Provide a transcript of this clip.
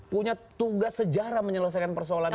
punya tugas sejarah menyelesaikan persoalan ini